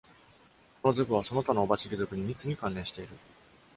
この属はその他のオバシギ属に密に関連している。